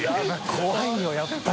怖いよやっぱり。